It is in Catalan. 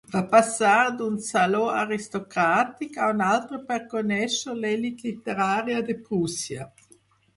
Va passar d'un saló aristocràtic a un altre per conèixer l'elit literària de Prússia.